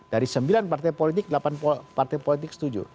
dari sembilan partai politik delapan partai politik setuju